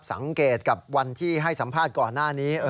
สังเกตกับวันที่ให้สัมภาษณ์ก่อนหน้านี้